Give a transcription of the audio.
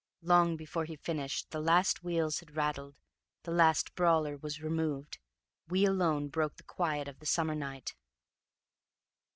Long before he finished, the last wheels had rattled, the last brawler was removed, we alone broke the quiet of the summer night.